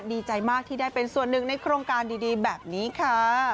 ดีใจมากที่ได้เป็นส่วนหนึ่งในโครงการดีแบบนี้ค่ะ